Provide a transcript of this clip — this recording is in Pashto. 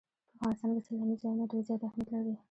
په افغانستان کې سیلاني ځایونه ډېر زیات اهمیت لري.